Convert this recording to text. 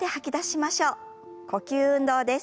呼吸運動です。